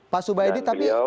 pak subaidi tapi